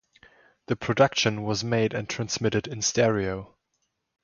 The production was made and transmitted in stereo.